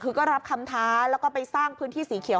คือก็รับคำท้าแล้วก็ไปสร้างพื้นที่สีเขียว